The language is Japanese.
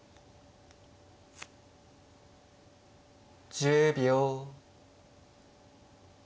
１０秒。